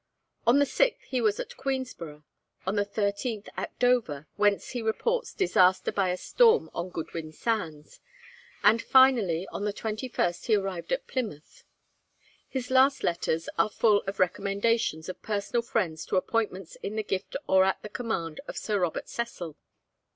On the 6th he was at Queenborough, on the 13th at Dover, whence he reports disaster by a storm on Goodwin Sands, and finally on the 21st he arrived at Plymouth. His last letters are full of recommendations of personal friends to appointments in the gift or at the command of Sir Robert Cecil.